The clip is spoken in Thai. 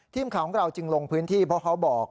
ทีมข่าวของเราจึงลงพื้นที่เพราะเขาบอก